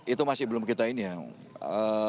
itu masih belum kita ini ya